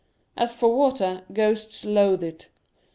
As for water, ghosts loathe it.